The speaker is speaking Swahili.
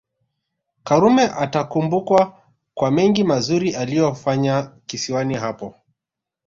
Karume atakumbukwa kwa mengi mazuri aliyoyafanya kisiwani hapo